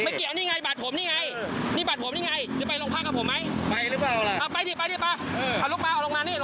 ไม่เกี่ยวนี่ไงบัตรผมนี่ไงนี่บัตรผมนี่ไงจะไปลงพักกับผมไหมไปหรือเปล่าอะไรเอาไปดิไปดิเอาลงมาเอาลงมานี่ลงมานี่มา